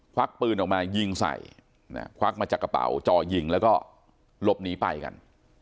วักปืนออกมายิงใส่ควักมาจากกระเป๋าจ่อยิงแล้วก็หลบหนีไปกัน